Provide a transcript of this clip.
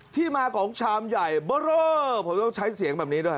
ที่มาของชามใหญ่เบอร์เรอผมต้องใช้เสียงแบบนี้ด้วย